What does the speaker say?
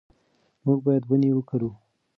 موږ باید ونې وکرو.